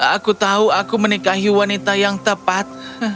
aku tahu aku menikahi wanita yang tepat